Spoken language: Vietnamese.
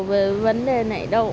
về vấn đề này đâu